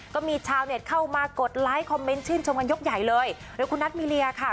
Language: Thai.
ก็มีชาวเน็ตเข้ามากดไลค์คอมเมนต์ชื่นชมกันยกใหญ่เลยโดยคุณนัทมีเรียค่ะ